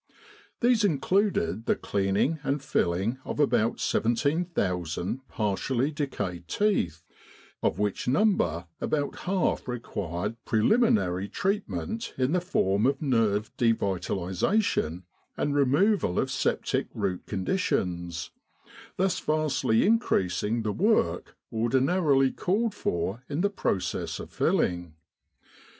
These included the cleaning and filling of about 17,000 partially decayed teeth, of which number about half required preliminary treatment in the form of nerve <ievitalisation and removal of septic root conditions, thus vastly increasing the work ordinarily called for in the process of filling.